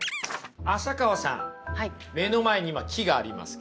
浅川さん目の前に今木がありますけど。